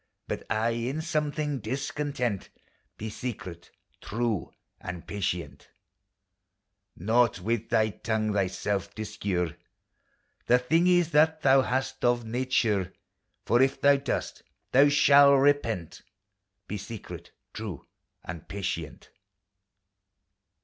But aye in some thing discontent: Be secret, true and patient ! Nought with thy tongue thyself discure The thingis that thou hast of nature; For if thou dost, thou shalt repent: Be secret, true and patient!